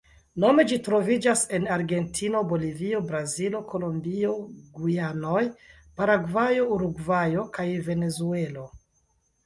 Nome ĝi troviĝas en Argentino, Bolivio, Brazilo, Kolombio, Gujanoj, Paragvajo, Urugvajo, kaj Venezuelo.